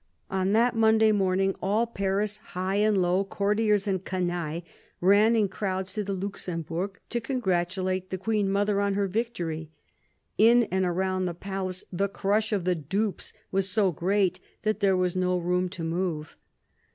On that Monday morning all Paris, high and low, courtiers and canaille, ran in crowds to the Luxem bourg to congratulate the Queen mother on her victory. In and round the palace the crush of the dupes was so great that there was no room to move.